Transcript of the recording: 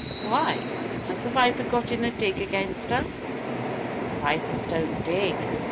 "Why, has the viper got in a dig against us?" "Vipers don't dig.